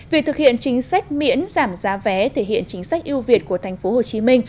việc thực hiện chính sách miễn giảm giá vé thể hiện chính sách yêu việt của tp hcm